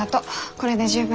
これで十分。